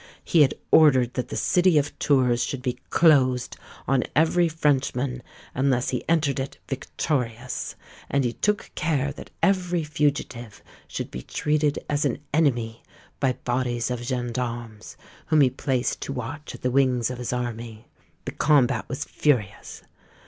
He had ordered that the city of Tours should be closed on every Frenchman, unless he entered it victorious; and he took care that every fugitive should be treated as an enemy by bodies of gens d'armes, whom he placed to watch at the wings of his army. The combat was furious.